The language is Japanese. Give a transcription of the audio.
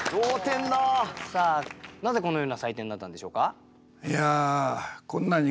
なぜこのような採点になったんでしょうか？